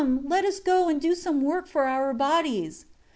Let us go and do some work for our bodies."